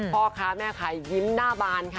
พ่อค้าแม่ขายยิ้มหน้าบานค่ะ